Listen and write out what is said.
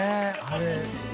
あれ。